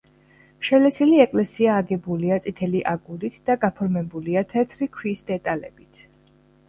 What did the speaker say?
შელესილი ეკლესია აგებულია წითელი აგურით და გაფორმებულია თეთრი ქვის დეტალებით.